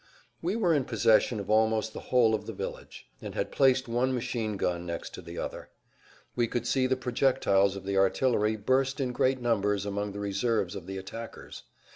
We were in possession of almost the whole of the village, and had placed one machine gun next to the other. We could see the projectiles of the artillery burst in great numbers among the reserves of the attackers.